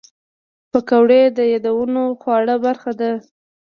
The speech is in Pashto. پکورې د یادونو خواږه برخه ده